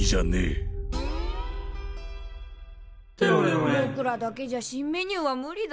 ぼくらだけじゃ新メニューは無理だ。